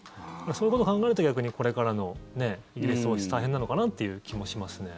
そういうことを考えると逆にこれからのイギリス王室大変なのかなという気もしますね。